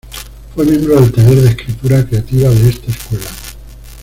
Fue miembro del taller de escritura creativa de esta escuela.